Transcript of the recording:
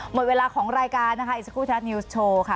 หมดเวลาของรายการนะคะอีกสักครู่ไทยรัฐนิวส์โชว์ค่ะ